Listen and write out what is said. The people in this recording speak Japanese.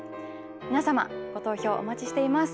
皆様ご投票お待ちしています。